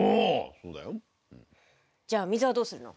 そうだよ。じゃあ水はどうするの？